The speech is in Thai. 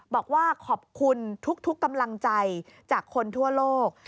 บอกว่าขอบคุณทุกกำลังใจจากคนทั่วโลก